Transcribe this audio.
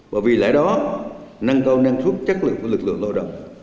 và vì lẽ đó năng cao năng suất chất lượng của lực lượng lao động